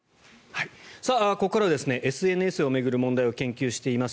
ここからはＳＮＳを巡る問題を研究しています